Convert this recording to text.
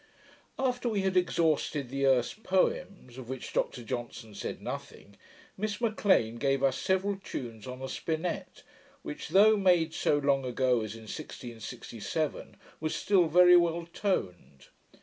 After we had exhausted the Erse poems, of which Dr Johnson said nothing, Miss M'Lean gave us several tunes on a spinnet, which, though made so long ago, as in 1667, was still very well toned.